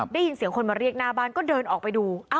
ได้ยินเสียงคนมาเรียกหน้าบ้านก็เดินออกไปดู